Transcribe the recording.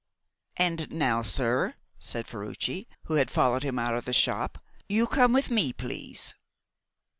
"And now, sir," said Ferruci, who had followed him out of the shop, "you come with me, please."